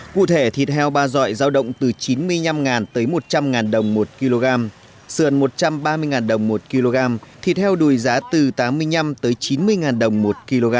cụ thể thịt heo ba dọi giao động từ chín mươi năm tới một trăm linh đồng một kg sườn một trăm ba mươi đồng một kg thịt heo đùi giá từ tám mươi năm tới chín mươi đồng một kg